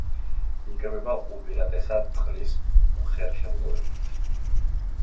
იკვებება უპირატესად წყლის უხერხემლოებით.